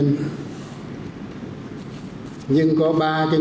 nhưng có ba nguyên nhân chung cơ bản là thế này